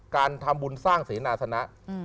การทำบุญสร้างเสนาสนะ